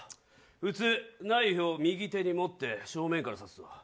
普通、ナイフを右手に持って正面から刺すんだ。